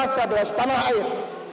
saudara setanah air